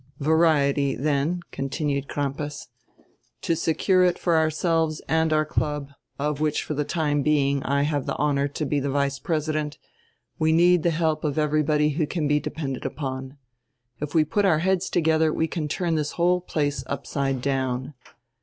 "Variety then," continued Crampas. "To secure it for ourselves and our club, of which for die time being I have the honor to be the vice president, we need die help of everybody who can be depended upon. If we put our heads togedier we can turn this whole place upside down.